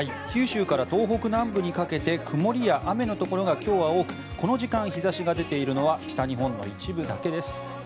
九州から東北南部にかけて曇りや雨のところが今日は多く、この時間日差しが出ているのは北日本の一部だけです。